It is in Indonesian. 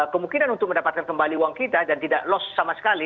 kemungkinan untuk mendapatkan kembali uang kita dan tidak loss sama sekali